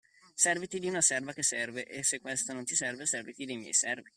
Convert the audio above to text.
Serviti di una serva che serve, e se questa non ti serve, serviti dei miei servi.